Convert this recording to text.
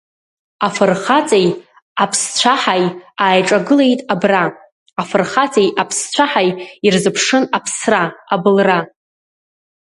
Афырхаҵеи аԥсцәаҳаи Ааиҿагылеит абра, Афырхаҵеи аԥсцәаҳаи Ирзыԥшын аԥсра, абылра.